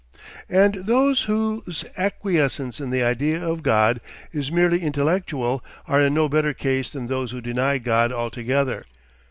And those whose acquiescence in the idea of God is merely intellectual are in no better case than those who deny God altogether.